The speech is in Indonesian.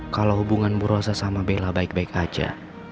kalau hubungan bu rosa sama bella baik baik aja